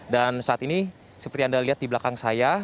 saat ini seperti anda lihat di belakang saya